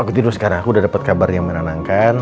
aku tidur sekarang udah dapet kabar yang menenangkan